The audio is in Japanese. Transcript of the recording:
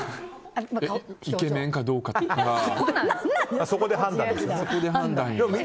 イケメンかどうかとかそこで判断よね。